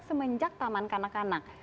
semenjak taman kanak kanak